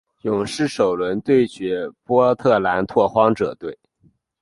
勇士首轮对决波特兰拓荒者队。